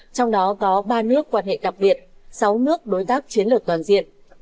trong đó có ba nước quan hệ đặc biệt sáu nước đối tác chiến lược toàn diện